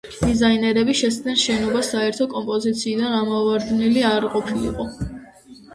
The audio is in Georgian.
დიზაინერები შეეცადნენ, შენობა საერთო კომპოზიციიდან ამოვარდნილი არ ყოფილიყო.